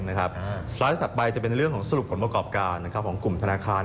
สไลด์ถัดไปจะเป็นเรื่องของสรุปผลประกอบการของกลุ่มธนาคาร